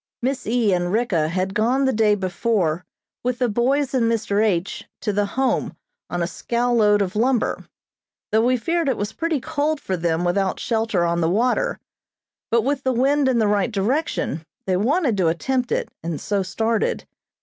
Miss E. and Ricka had gone the day before with the boys and Mr. H. to the Home on a scow load of lumber, though we feared it was pretty cold for them without shelter on the water; but with the wind in the right direction, they wanted to attempt it, and so started.